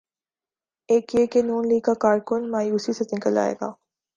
ایک یہ کہ نون لیگ کا کارکن مایوسی سے نکل آئے گا۔